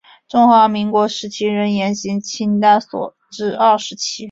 中华民国时期仍沿袭清代所置二十旗。